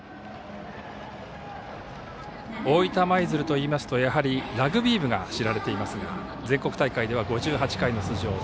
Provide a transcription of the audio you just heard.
大分舞鶴といいますとやはり、ラグビー部が知られていますが全国大会では５８回の出場。